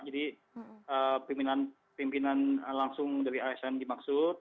jadi pimpinan langsung dari asn dimaksud